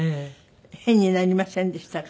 変になりませんでしたか？